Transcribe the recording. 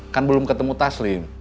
kan belum ketemu taslim